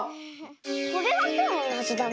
これはきょうのなぞだね。